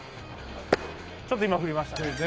ちょっと今振りましたね。